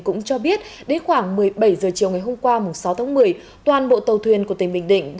cũng cho biết đến khoảng một mươi bảy giờ chiều ngày hôm qua sáu tháng một mươi toàn bộ tàu thuyền của tây bình định